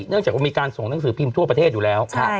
เนื่องจากว่ามีการส่งหนังสือพิมพ์ทั่วประเทศอยู่แล้ว